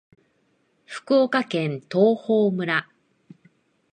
福岡県東峰村